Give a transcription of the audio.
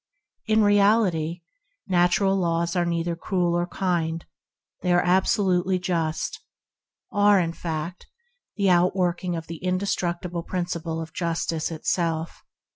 In reality, natural laws are neither cruel nor kind; they are absolutely just — are, in fact, the outwork ing of the indestructible principle of justice itself.